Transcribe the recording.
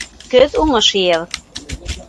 Көҙ уңыш йыябыҙ